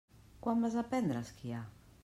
Quan vas aprendre a esquiar?